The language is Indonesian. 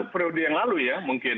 periode yang lalu ya mungkin